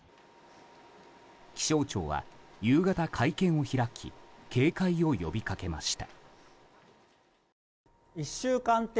気象庁は夕方、会見を開き警戒を呼びかけました。